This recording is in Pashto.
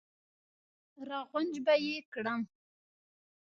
را غونج به یې کړم.